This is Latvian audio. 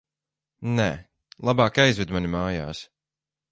Nē, labāk aizved mani mājās.